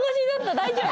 大丈夫？